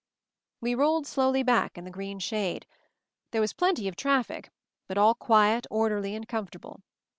We rolled slowly back in the green shade. There was plenty of traffic, but all quiet, orderly, and comfortable.